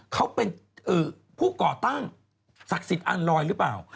เขาเป็นผู้ก่อตั้งศักดิ์สิทธิ์อันลอยหรือเปล่า